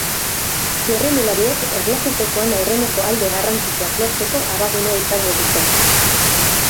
Txirrindulariek erlojupekoan aurreneko alde garrantzitsuak lortzeko abagunea izango dute.